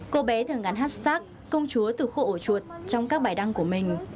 cô bé thường gắn hashtag công chúa từ khổ ổ chuột trong các bài đăng của mình